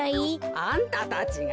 あんたたちが？